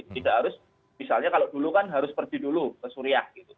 tidak harus misalnya kalau dulu kan harus pergi dulu ke suriah gitu